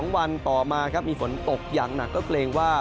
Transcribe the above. ๒วันต่อมาครับมีฝนตกอย่างหนักก็เกรงว่า